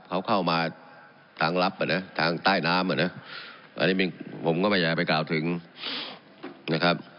เขาเข้ามาทางลับอ่ะนะทางใต้น้ำอ่ะนะอันนี้ผมก็ไม่อยากไปกล่าวถึงนะครับ